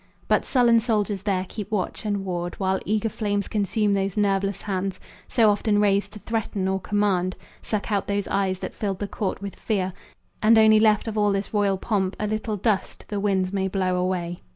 But sullen soldiers there keep watch and ward While eager flames consume those nerveless hands So often raised to threaten or command, Suck out those eyes that filled the court with fear, And only left of all this royal pomp A little dust the winds may blow away.